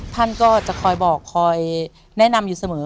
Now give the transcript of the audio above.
ท่านก็จะคอยบอกคอยแนะนำอยู่เสมอ